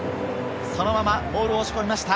そのままモールを押し込みました。